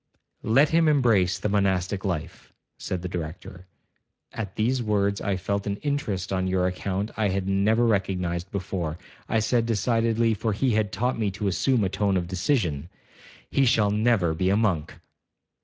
'Let him embrace the monastic life,' said the Director. At these words I felt an interest on your account I had never recognized before. I said decidedly, for he had taught me to assume a tone of decision, 'He shall never be a monk.'